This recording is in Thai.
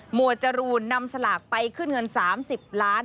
วดจรูนนำสลากไปขึ้นเงิน๓๐ล้าน